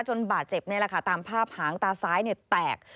บาดเจ็บนี่แหละค่ะตามภาพหางตาซ้ายแตก